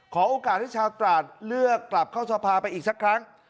โอกาสให้ชาวตราดเลือกกลับเข้าสภาไปอีกสักครั้ง